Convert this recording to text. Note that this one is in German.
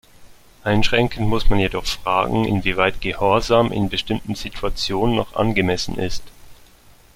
Einschränkend muss man jedoch fragen, inwieweit Gehorsam in bestimmten Situationen noch angemessen ist.